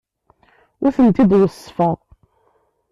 Ur tent-id-weṣṣfeɣ.